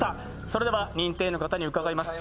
それでは認定員の方に伺います。